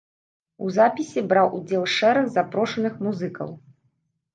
У запісе браў удзел шэраг запрошаных музыкаў.